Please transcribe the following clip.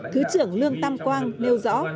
thứ trưởng lương tam quang nêu rõ